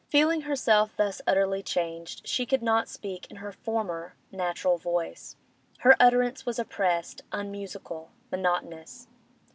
Feeling herself thus utterly changed, she could not speak in her former natural voice; her utterance was oppressed, unmusical, monotonous.